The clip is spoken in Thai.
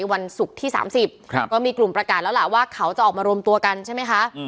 วันศุกร์ที่๓๐ก็มีกลุ่มประกาศแล้วล่ะว่าเขาจะออกมารวมตัวกันใช่ไหมคะ